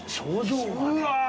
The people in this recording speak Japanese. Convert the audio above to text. うわ。